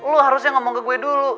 lu harusnya ngomong ke gue dulu